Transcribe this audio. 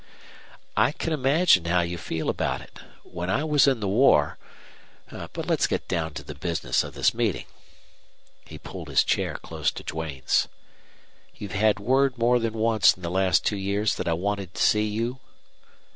"I can imagine how you feel about it. When I was in the war but let's get down to the business of this meeting." He pulled his chair close to Duane's. "You've had word more than once in the last two years that I wanted to see you?"